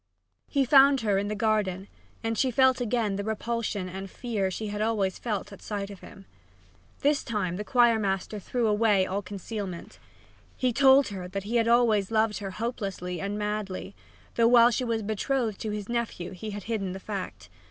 He found her in the garden, and she felt again the repulsion and fear she had always felt at sight of him. This time the choir master threw away all concealment. He told her that he had always loved her hopelessly and madly, though while she was betrothed to his nephew he had hidden the fact.